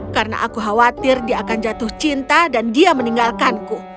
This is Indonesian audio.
karena aku khawatir dia akan jatuh cinta dan dia meninggalkanku